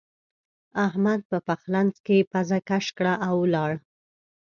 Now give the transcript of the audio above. احمد په پخلنځ کې پزه کش کړه او ولاړ.